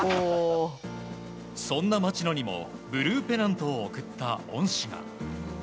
そんな町野にもブルーペナントを贈った恩師が。